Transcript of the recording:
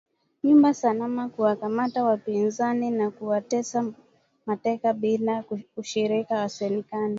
Nyumba salama kuwakamata wapinzani na kuwatesa mateka bila ushirika wa serekali